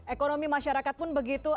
ekonomi masyarakat pun begitu